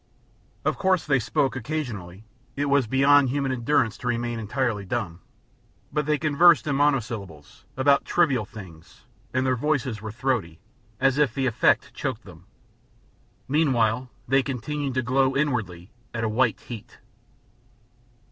Of course they spoke occasionally it was beyond human endurance to remain entirely dumb but they conversed in monosyllables, about trivial things, and their voices were throaty, as if the effort choked them. Meanwhile they continued to glow inwardly at a white heat.